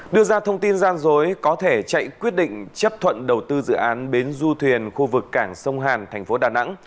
đưa ra thông tin gian dối có thể chạy quyết định chấp thuận đầu tư dự án bến du thuyền khu vực cảng sông hàn thành phố đà nẵng